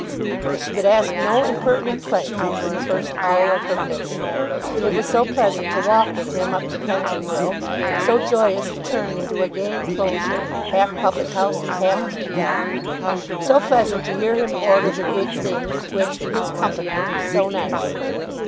But she would ask no impertinent questions in the first hour of her bliss. It was so pleasant to walk with him up to Pentonville; so joyous to turn into a gay enclosure, half public house and half tea garden; so pleasant to hear him order the good things, which in his company would be so nice!